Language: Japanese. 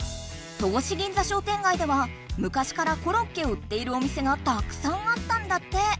戸越銀座商店街ではむかしからコロッケを売っているお店がたくさんあったんだって。